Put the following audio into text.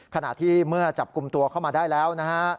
ขณะที่เมื่อจับกลุ่มตัวเข้ามาได้แล้วนะฮะ